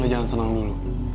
lo jangan senang dulu